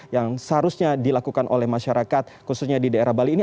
yang seharusnya dilakukan oleh masyarakat khususnya di daerah bali ini